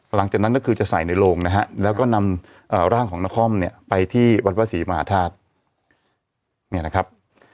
หลังจากนั้นก็คือจะใส่ในโรงนะฮะแล้วก็นำร่างของนครเนี่ยไปที่วัดพระศรีมหาธาตุเนี่ยนะครับ